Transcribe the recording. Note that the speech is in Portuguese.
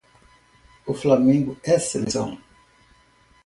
O Flamengo é seleção